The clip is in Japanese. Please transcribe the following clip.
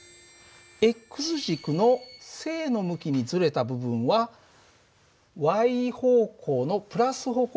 軸の正の向きにずれた部分は方向のプラス方向に向ける。